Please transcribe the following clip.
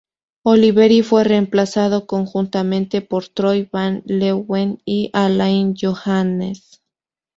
Oliveri fue reemplazado, conjuntamente, por Troy Van Leeuwen y Alain Johannes.